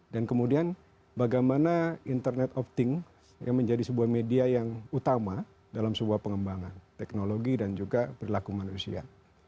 dan kemudian bagaimana internet opting yang menjadi sebuah media yang utama dalam sebuah pengembangan teknologi dan juga berlaku manusia